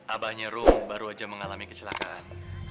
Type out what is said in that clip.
abahnya rum baru aja mengalami kecelakaan